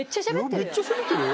めっちゃしゃべってるよ。